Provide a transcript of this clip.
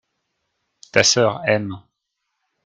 ta sœur aime.